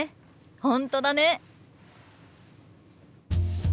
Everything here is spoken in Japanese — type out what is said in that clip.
本当だね！